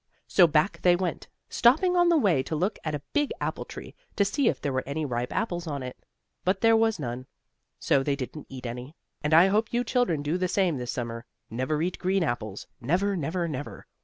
So back they went, stopping on the way to look at a big apple tree, to see if there were any ripe apples on it. But there was none, so they didn't eat any. And I hope you children do the same this summer. Never eat green apples, never, never, never!